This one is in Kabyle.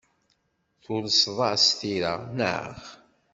Tulseḍ-as tira, naɣ?